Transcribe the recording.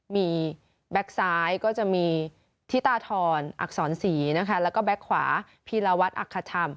มีแบ็คซ้ายก็จะมีธิตาทรอักษรศรีนะคะแล้วก็แบ็คขวาพีรวัตรอักษธรรม